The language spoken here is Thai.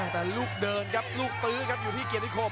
แต่ลูกเดินครับลูกตื้อครับอยู่ที่เกียรติคม